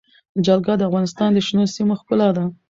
جلګه د افغانستان د شنو سیمو ښکلا ده.